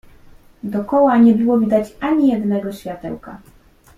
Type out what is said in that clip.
"Dokoła nie było widać ani jednego światełka."